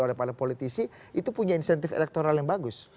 oleh para politisi itu punya insentif elektoral yang bagus